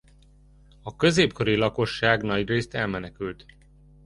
A középkori lakosság nagyrészt elmenekült.